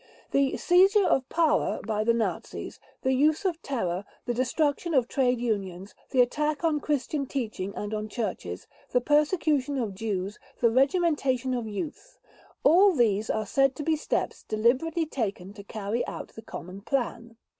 The "seizure of power" by the Nazis, the use of terror, the destruction of trade unions, the attack on Christian teaching and on churches, the persecution of Jews, the regimentation of youth—all these are said to be steps deliberately taken to carry out the common plan.